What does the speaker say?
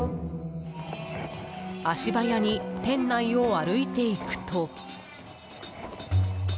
足早に店内を歩いていくと。